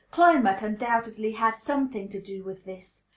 Climate undoubtedly has something to do with this.